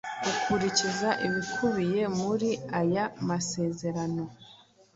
ukurikiza ibikubiye muri aya masezerano